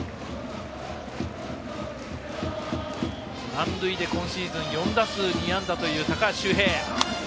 満塁で今シーズン４打数４安打高橋周平。